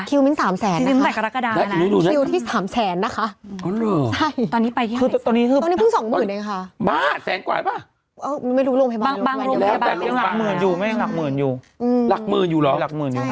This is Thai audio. คิวมิ้นสามแสนนะคะคิวมิ้นสามแสนนะคะคิวที่สามแสนนะคะ